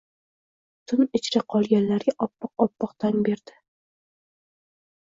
Tun ichra qolganlarga oppoq-oppoq tong berdi